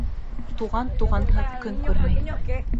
Туған туғанһыҙ көн күрмәй.